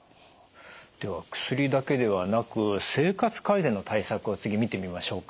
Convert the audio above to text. では薬だけではなく生活改善の対策を次見てみましょうか。